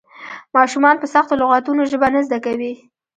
ماشومان په سختو لغتونو ژبه نه زده کوي.